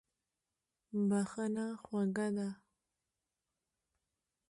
بښنه خوږه ده.